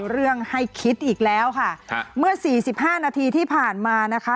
เรื่องให้คิดอีกแล้วค่ะเมื่อสี่สิบห้านาทีที่ผ่านมานะคะ